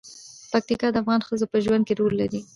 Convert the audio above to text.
پکتیا د افغان ښځو په ژوند کې رول لري.